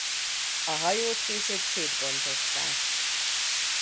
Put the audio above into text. A hajót később szétbontották.